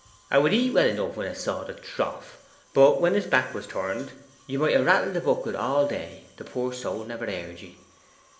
'A would eat well enough when 'a seed the trough, but when his back was turned, you might a rattled the bucket all day, the poor soul never heard ye.